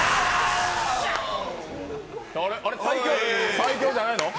最強じゃないの？